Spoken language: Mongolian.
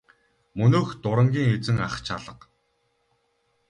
Мөнөөх дурангийн эзэн ах ч алга.